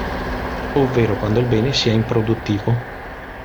Ovvero quando il bene sia improduttivo.